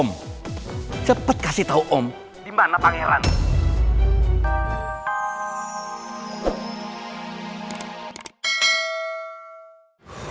om cepet kasih tau om dimana pangeran